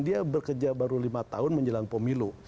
dia bekerja baru lima tahun menjelang pemilu